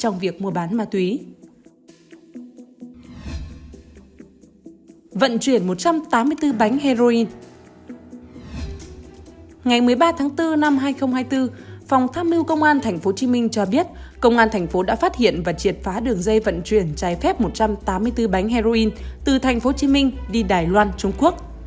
ngày một mươi ba tháng bốn năm hai nghìn hai mươi bốn phòng tháp nưu công an tp hcm cho biết công an tp hcm đã phát hiện và triệt phá đường dây vận chuyển trái phép một trăm tám mươi bốn bánh heroin từ tp hcm đi đài loan trung quốc